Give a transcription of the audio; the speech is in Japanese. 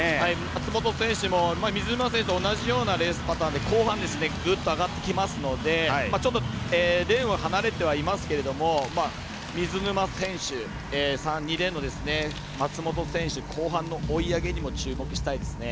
松元選手も水沼選手と同じようなパターンで後半、ぐっと上がってきますのでレーンは離れてはいますが水沼選手２レーンの松元選手後半の追い上げにも注目したいですね。